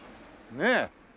ねえ。